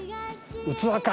器か。